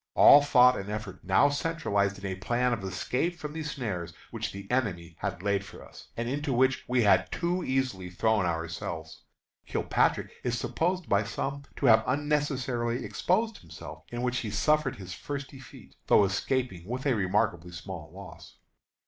All thought and effort now centralized into a plan of escape from the snares which the enemy had laid for us, and into which we had too easily thrown ourselves. Kilpatrick is supposed by some to have unnecessarily exposed himself, in which he suffered his first defeat, though escaping with a remarkably small loss.